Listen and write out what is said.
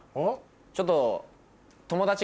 ちょっと。